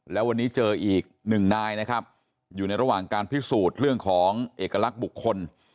แล้ววันนี้เจออีกหนึ่งนายนะครับอยู่ในระหว่างการพิสูจน์เรื่องของเอกลักษณ์บุคคล